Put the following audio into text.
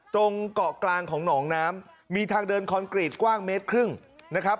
ตรงเกาะกลางของหนองน้ำมีทางเดินคอนกรีตกว้างเมตรครึ่งนะครับ